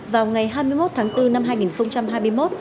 vào ngày hai mươi một tháng bốn năm hai nghìn hai mươi một